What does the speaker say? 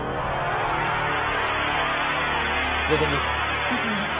お疲れさまです！